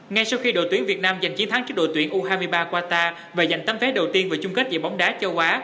ngay sau khi đội tuyển việt nam giành chiến thắng trước đội tuyển u hai mươi ba qatar và giành tấm vé đầu tiên về chung kết giải bóng đá châu á